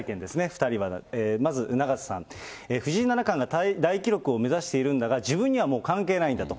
２人はまず、永瀬さん、藤井七冠が大記録を目指しているんだが、自分にはもう関係ないんだと。